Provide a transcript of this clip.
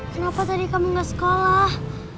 kenapa tadi kamu gak sekolah